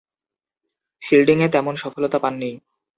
ফিল্ডিংয়ে তেমন সফলতা পাননি।